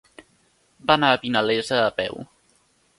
Va anar a Vinalesa a peu.